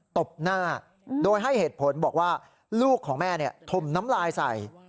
ตบหน้าโดยให้เหตุผลบอกว่าลูกของแม่ถมน้ำลายใส่